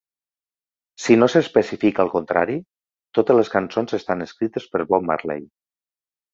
Si no s'especifica el contrari, totes les cançons estan escrites per Bob Marley.